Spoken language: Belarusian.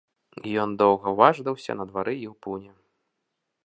Ён доўга важдаўся на двары і ў пуні.